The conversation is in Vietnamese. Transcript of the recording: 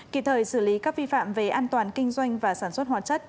kịp thời xử lý các vi phạm về an toàn kinh doanh và sản xuất hóa chất